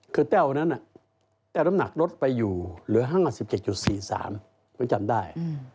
คือแต้วนั้นแต้วน้ำหนักลดไปอยู่เหลือ๕๗๔๓ก็จำได้